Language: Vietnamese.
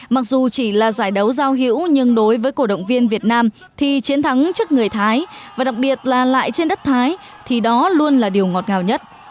mặc dù chỉ là giải đấu giao hữu nhưng đối với cổ động viên việt nam thì chiến thắng trước người thái và đặc biệt là lại trên đất thái thì đó luôn là điều ngọt ngào nhất